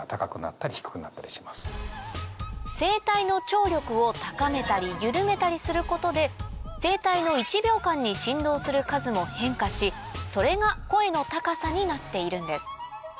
声帯の張力を高めたり緩めたりすることで声帯の１秒間に振動する数も変化しそれが声の高さになっているんです